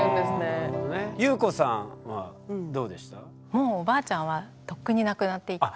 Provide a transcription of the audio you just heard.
もうおばあちゃんはとっくに亡くなっていて。